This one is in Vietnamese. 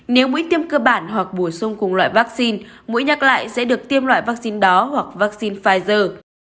nếu mũi tiêm cơ bản hoặc bổ sung cùng loại vaccine mũi nhắc lại sẽ được tiêm loại vaccine đó hoặc vaccine pfizer